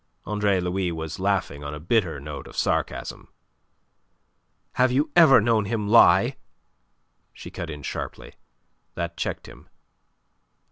Andre Louis was laughing on a bitter note of sarcasm. "Have you ever known him lie?" she cut in sharply. That checked him.